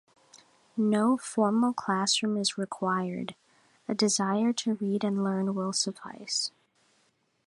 No formal classroom is required; a desire to read and learn will suffice.